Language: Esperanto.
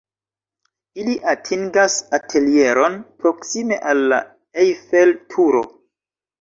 Ili atingas atelieron proksime al la Eiffel-Turo.